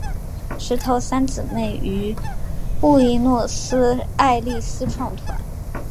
石头三姊妹于布宜诺斯艾利斯创团。